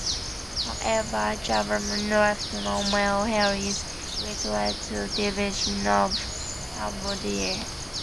However, Jayavarman left no male heirs, which led to the division of Cambodia.